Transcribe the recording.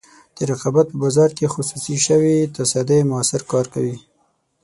د رقابت په بازار کې خصوصي شوې تصدۍ موثر کار کوي.